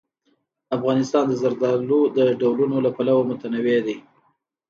افغانستان د زردالو د ډولونو له پلوه متنوع دی.